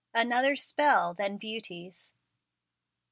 ANOTHER SPELL THAN BEAUTY'S.